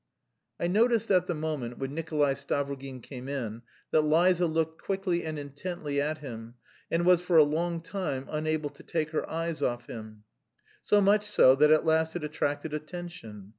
I noticed at the moment when Nikolay Stavrogin came in that Liza looked quickly and intently at him and was for a long time unable to take her eyes off him so much so that at last it attracted attention.